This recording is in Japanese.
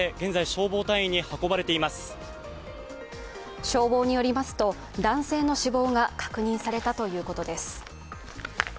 消防によりますと、男性の死亡が確認されたということです。